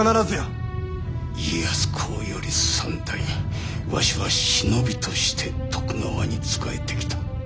家康公より三代わしは忍びとして徳川に仕えてきた。